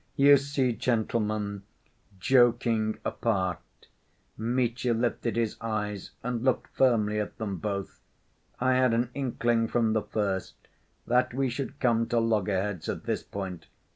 "You see, gentlemen, joking apart"—Mitya lifted his eyes and looked firmly at them both—"I had an inkling from the first that we should come to loggerheads at this point.